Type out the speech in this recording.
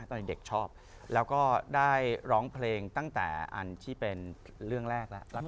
ตอนเด็กชอบแล้วก็ได้ร้องเพลงตั้งแต่อันที่เป็นเรื่องแรกแล้ว